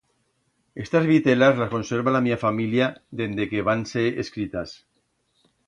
Estas vitelas las conserva la mía familia dende que van ser escritas.